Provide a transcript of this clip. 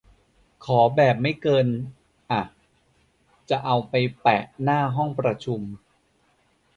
ขอแบบไม่เกิน อะ จะเอาไปแปะหน้าห้องประชุม